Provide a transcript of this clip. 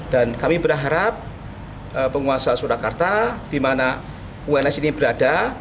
dan kami berharap penguasa surakarta di mana uns ini berada